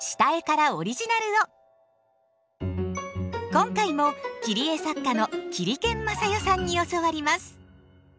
今回も切り絵作家の切り剣Ｍａｓａｙｏさんに教わります。